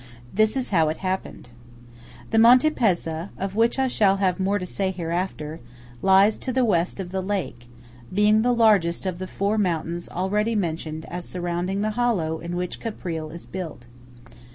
This is how it happened:– The Monte Pezza, of which I shall have more to say hereafter, lies to the West of the lake, being the largest of the four mountains already mentioned as surrounding the hollow in which Caprile is built.